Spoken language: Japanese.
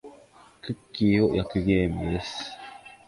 クッキーを焼くゲームです。